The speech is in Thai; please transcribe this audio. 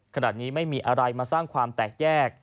ขณะนี้ไม่มีอะไรมาสร้างความแตกแยก